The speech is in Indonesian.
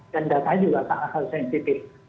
dan data juga sangat sensitif